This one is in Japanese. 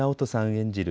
演じる